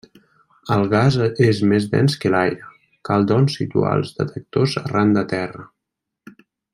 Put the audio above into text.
El gas és més dens que l'aire, cal doncs situar els detectors arran de terra.